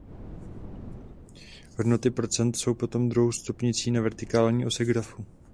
Hodnoty procent jsou potom druhou stupnicí na vertikální ose grafu.